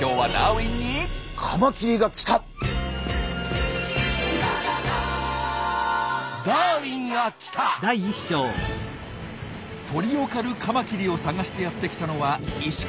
今日はダーウィンに鳥を狩るカマキリを探してやって来たのは石川県。